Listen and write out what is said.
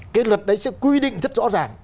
cái luật đấy sẽ quy định rất rõ ràng